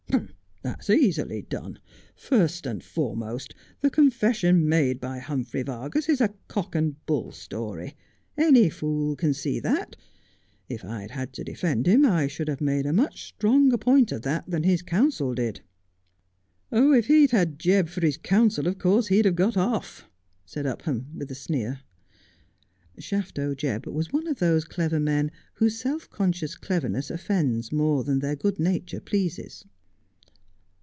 ' That's easily done. First and foremost, the confession made by Humphrey Yargas is a cock and bull story. Any fool can see that. If I'd had to defend him I should have made a much stronger point of that than his counsel did.' ' If he'd had Jebb for his counsel of course he'd have got off,' said Upham, with a sneer. Shafto Jebb was one of those clever men whose self conscious cleverness offends more than their good nature pleases.